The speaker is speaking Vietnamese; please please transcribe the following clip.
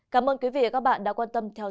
cảm ơn quý vị và các bạn đã quan tâm theo dõi